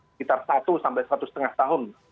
sekitar satu sampai satu lima tahun